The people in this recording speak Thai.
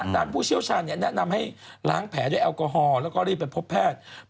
ผู้เชี่ยวชาญแนะนำให้ล้างแผลด้วยแอลกอฮอล์แล้วก็รีบไปพบแพทย์